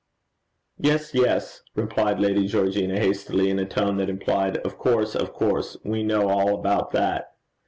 'Yes, yes,' replied Lady Georgina, hastily, in a tone that implied, 'Of course, of course: we know all about that.'